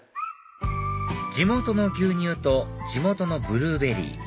地元の牛乳と地元のブルーベリー